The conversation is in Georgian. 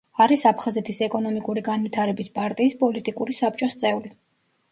არის აფხაზეთის ეკონომიკური განვითარების პარტიის პოლიტიკური საბჭოს წევრი.